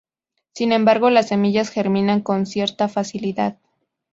Sin embargo las semillas germinan con cierta facilidad.